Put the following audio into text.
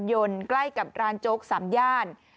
ยนต์ใกล้กับร้านโจ๊กสามย่าน